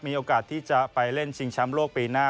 มีโอกาสที่จะไปเล่นชิงแชมป์โลกปีหน้า